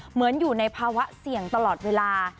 อยู่ในภาวะเสี่ยงตลอดเวลา